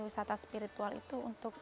wisata spiritual itu untuk